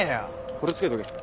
これつけとけ。